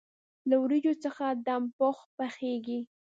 له وریجو څخه دم پخ پخیږي.